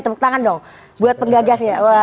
tepuk tangan dong buat penggagasnya